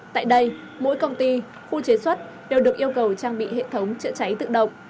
tại đây mỗi công ty khu chế xuất đều được yêu cầu trang bị hệ thống chữa cháy tự động